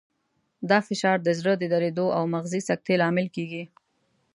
دا فشار د زړه د دریدو او مغزي سکتې لامل کېږي.